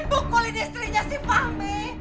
bukulin istrinya si fahmi